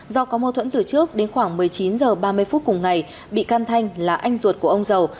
do có mâu thuẫn từ trước đến khoảng một mươi chín h ba mươi phút cùng ngày bị can thanh là anh ruột của ông dầu